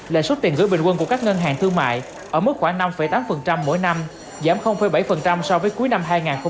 lại suất tiền gửi bình quân của các ngân hàng thương mại ở mức khoảng năm tám mỗi năm giảm bảy so với cuối năm hai nghìn hai mươi ba